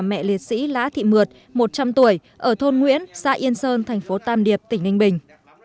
mẹ liệt sĩ lá thị mượt một trăm linh tuổi ở thôn nguyễn xã yên sơn thành phố tam điệp tỉnh ninh bình